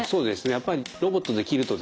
やっぱりロボットで切るとですね